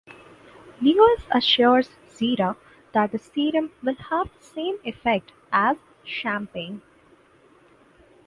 Lewis assures Zira that the serum will have the same effect as champagne.